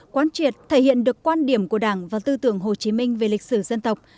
quán triệt thể hiện được quan điểm của đảng và tư tưởng hồ chí minh về lịch sử dân tộc